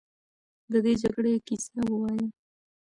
د دې جګړې کیسه ووایه.